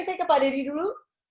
saya ke pak deddy dulu